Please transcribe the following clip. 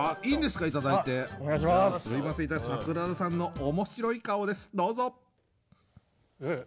すいません櫻田さんの面白い顔ですどうぞ。